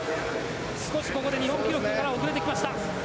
ここで日本記録から遅れてきた。